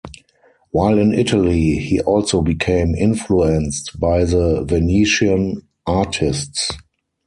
While in Italy he also became influenced by the Venetian artists.